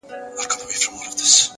د وخت قدر د ځان قدر دی،